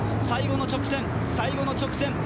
最後の直線最後の直線